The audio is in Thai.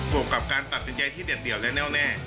วกกับการตัดสินใจที่เด็ดเดี่ยวและแน่วแน่